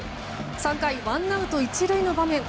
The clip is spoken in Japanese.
３回ワンアウト１塁の場面